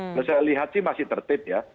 saya lihat sih masih tertib ya